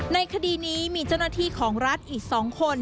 ในคดีนี้มีเจ้าหน้าที่ของรัฐอีก๒คน